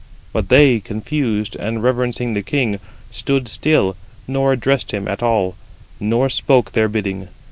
But they, confused, and reverencing the king, stood still, nor addressed him at all, nor spoke [their bidding].